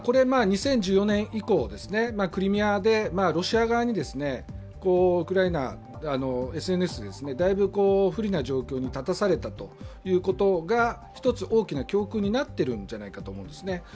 ２０１４年以降、クリミアでロシア側にウクライナ、ＳＮＳでだいぶ不利な状況に立たされたということが１つ大きな教訓になっているんじゃないかと思うんですね。